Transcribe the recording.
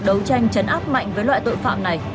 đấu tranh chấn áp mạnh với loại tội phạm này